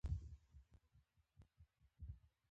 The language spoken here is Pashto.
مچمچۍ له شاتو پرته نه شي ژوند کولی